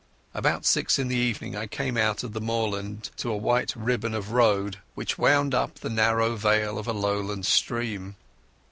About six in the evening I came out of the moorland to a white ribbon of road which wound up the narrow vale of a lowland stream.